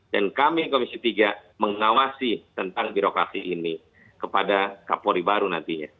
dan kami komisi tiga mengawasi tentang birokrasi ini kepada kapolri baru nantinya